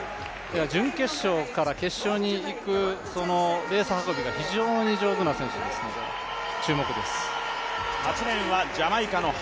準決勝から決勝に行くレース運びが非常に上手な選手ですので注目です。